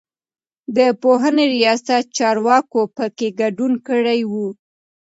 د پوهنې رياست چارواکو په کې ګډون کړی و.